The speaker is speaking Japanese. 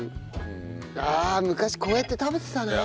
ああ昔こうやって食べてたな。